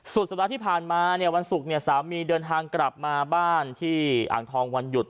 สัปดาห์ที่ผ่านมาเนี่ยวันศุกร์เนี่ยสามีเดินทางกลับมาบ้านที่อ่างทองวันหยุด